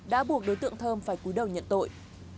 đã buộc đối tượng thơm phải cúi đầu nhận tội